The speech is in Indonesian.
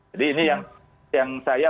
jadi ini yang saya